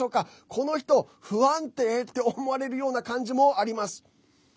この人不安定？って思われる感じもあります。